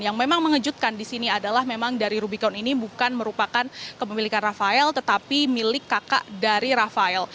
yang memang mengejutkan di sini adalah memang dari rubicon ini bukan merupakan kepemilikan rafael tetapi milik kakak dari rafael